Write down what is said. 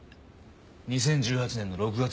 ２０１８年の６月６日だ。